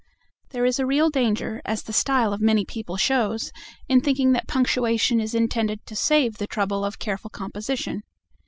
There is a real danger, as the style of many people shows, in thinking that punctuation is intended to save the trouble of careful composition.